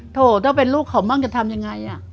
ถ้าเป็นลูกของมันจะทำยังไง